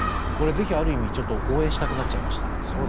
これぜひ、ある意味応援したくなっちゃいましたね。